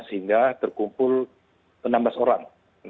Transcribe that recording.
sehingga terkumpul enam belas orang